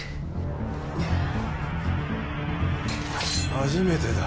初めてだ。